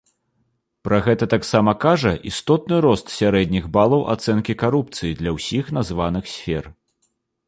Пра гэта таксама кажа істотны рост сярэдніх балаў ацэнкі карупцыі для ўсіх названых сфер.